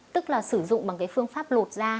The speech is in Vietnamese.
tức là sử dụng bằng cái phương pháp luật da